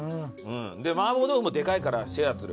麻婆豆腐もでかいからシェアする。